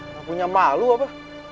kamu punya malu apa